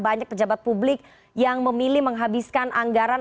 banyak pejabat publik yang memilih menghabiskan anggaran